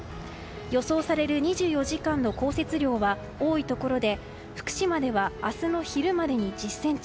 予想される２４時間の降雪量は多いところで、福島では明日の昼までに１０ｃｍ